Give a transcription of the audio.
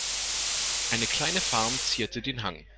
Eine kleine Farm zierte den Hang.